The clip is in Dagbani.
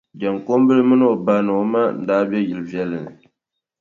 Jaŋkumbila mini o ba ni o ma n-daa be yili viɛlli ni.